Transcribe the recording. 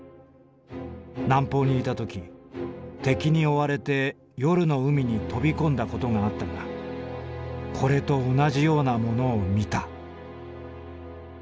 南方にいたとき敵に追われて夜の海に飛びこんだことがあったがこれと同じようなものを見た」。